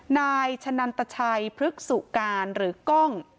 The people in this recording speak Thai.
นายชะนันตชัยพฤกษุการหรือกล้อง